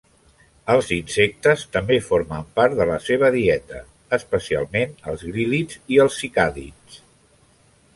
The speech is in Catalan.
Els insectes també formen part de la seva dieta, especialment els gríl·lids i els cicàdids.